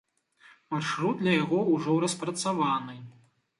Маршрут для яго ўжо распрацаваны.